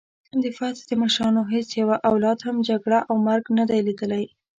د فتح د مشرانو هیڅ یوه اولاد هم جګړه او مرګ نه دی لیدلی.